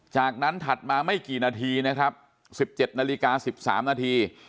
จากนั้นถัดมาไม่กี่นาทีนะครับ๑๗นาฬิกา๑๓นาที